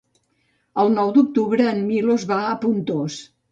El nou d'octubre en Milos va a Pontós.